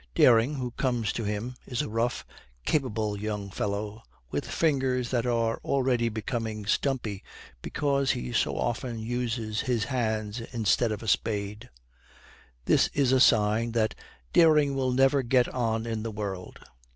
Dering, who comes to him, is a rough, capable young fellow with fingers that are already becoming stumpy because he so often uses his hands instead of a spade. This is a sign that Dering will never get on in the world.